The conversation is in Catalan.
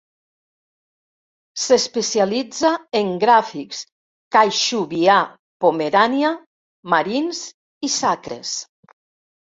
S'especialitza en gràfics caixúbia-pomerània, marins i sacres.